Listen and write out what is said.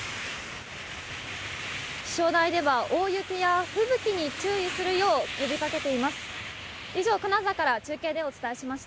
気象台では大雪や吹雪に注意するよう呼びかけています。